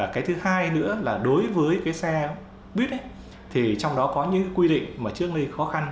cái thứ hai nữa là đối với cái xe buýt thì trong đó có những quy định mà trước đây khó khăn